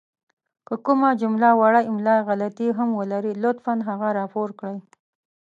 که کومه جمله وړه املائې غلطې هم ولري لطفاً هغه راپور کړئ!